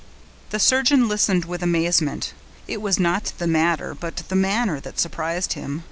The surgeon listened with amazement. It was not the matter, but the manner that surprised him.